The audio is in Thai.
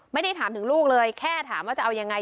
ไม่ได้ถามถึงลูกเลยแค่ถามว่าจะเอายังไง